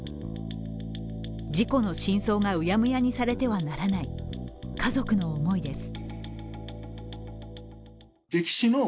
事故の真相がうやむやにされてはならない、家族の思いです。